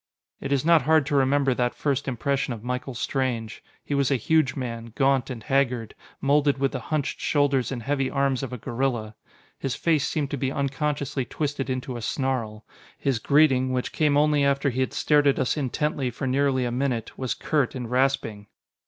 It is not hard to remember that first impression of Michael Strange. He was a huge man, gaunt and haggard, moulded with the hunched shoulders and heavy arms of a gorilla. His face seemed to be unconsciously twisted into a snarl. His greeting, which came only after he had stared at us intently, for nearly a minute, was curt and rasping.